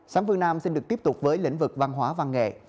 sáng phương nam xin được tiếp tục với lĩnh vực văn hóa văn nghệ